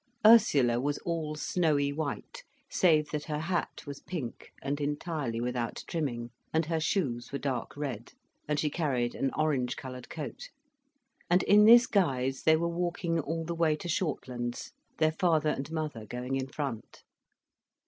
Ursula was all snowy white, save that her hat was pink, and entirely without trimming, and her shoes were dark red, and she carried an orange coloured coat. And in this guise they were walking all the way to Shortlands, their father and mother going in front.